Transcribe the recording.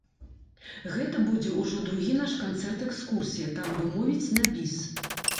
Гэта будзе ўжо другі наш канцэрт-экскурсія, так бы мовіць, на біс.